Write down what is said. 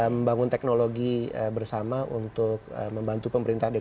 membangun teknologi bersama untuk membantu pemerintah dki